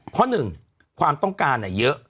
เพราะ๑ความต้องการเนี่ยเยอะ